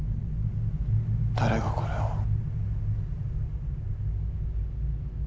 誰がこれを。